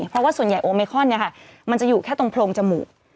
เพราะว่าส่วนใหญ่โอเมคอนมันจะอยู่แค่ตรงโพรงจมูก